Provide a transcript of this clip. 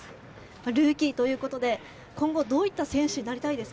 ルーキーということで、今後どういった選手になりたいですか。